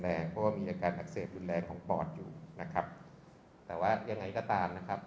เพราะว่ามีอาการอักเสบรุนแรงของปอดอยู่นะครับแต่ว่ายังไงก็ตามนะครับ